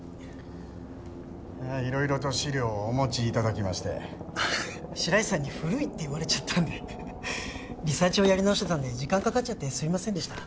色々と資料をお持ちいただきまして白石さんに古いって言われちゃったんでリサーチをやり直してたんで時間かかっちゃってすいませんでした